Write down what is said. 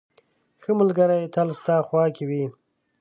• ښه ملګری تل ستا خوا کې وي.